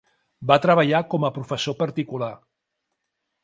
Va treballar com a professor particular.